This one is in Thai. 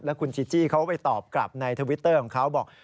คุณจีจี้เขาไปตอบกลับในทวิตเตอร์ของเขาบอก